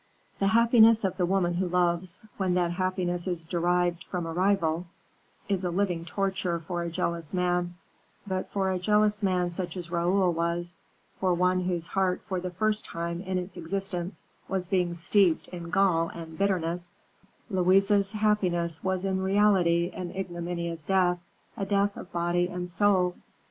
The happiness of the woman who loves, when that happiness is derived from a rival, is a living torture for a jealous man; but for a jealous man such as Raoul was, for one whose heart for the first time in its existence was being steeped in gall and bitterness, Louise's happiness was in reality an ignominious death, a death of body and soul.